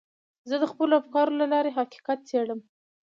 زه د خپلو افکارو له لارې حقیقت څېړم.